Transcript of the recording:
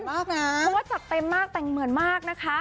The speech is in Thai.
เพราะว่าจัดเต็มมากแต่งเหมือนมากนะคะ